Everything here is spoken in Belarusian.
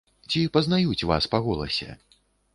Ці пазнаюць вас па голасе?